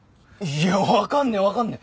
いやわかんねえわかんねえ！